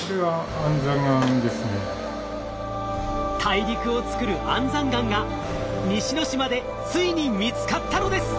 大陸をつくる安山岩が西之島でついに見つかったのです！